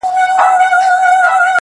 نه زما زخم د لکۍ سي جوړېدلای-